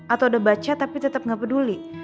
atau udah baca tapi tetep gak peduli